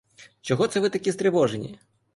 Чого це ви такі стривожені?